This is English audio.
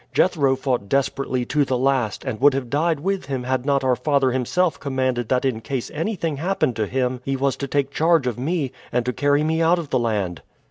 Jethro fought desperately to the last, and would have died with him had not our father himself commanded that in case anything happened to him he was to take charge of me, and to carry me out of the land."